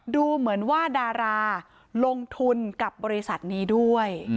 ดูเหมือนว่าดาราลงทุนกับบริษัทนี้ด้วย